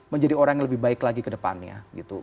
menjadi orang yang lebih baik lagi ke depannya gitu